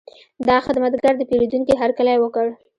دا خدمتګر د پیرودونکي هرکلی وکړ.